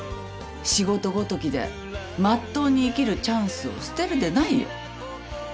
仕事ごときでまっとうに生きるチャンスを捨てるでないよ